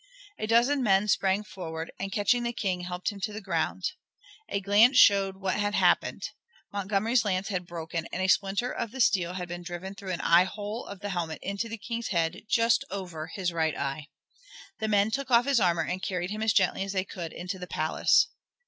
A dozen men sprang forward, and catching the King, helped him to the ground. A glance showed what had happened. Montgomery's lance had broken and a splinter of the steel had been driven through an eyehole of the helmet into the King's head just over his right eye. The men took off his armor and carried him as gently as they could into the palace.